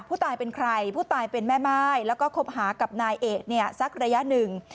ผู้ตายเป็นใครผู้ตายเป็นแม่ม่ายแล้วก็คบหากับนายเอกเนี่ยสักระยะหนึ่ง